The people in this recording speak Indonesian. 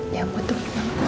ya buat dulu